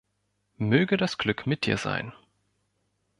Möge das Glück mit dir sein!